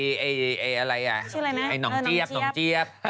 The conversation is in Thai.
ไปไออะไรอ่ะชื่ออะไรนะไอหนองเจี๊ยบ